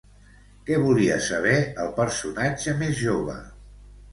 Què volia saber el personatge més jove?